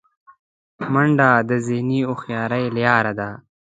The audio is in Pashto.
منډه د ذهني هوښیارۍ لاره ده